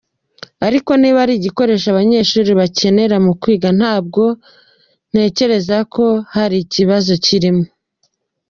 Ariko niba ari igikoresho abanyeshuri bakeneye mu kwiga ntabwo ntekereza ko hari ikibazo kirimo.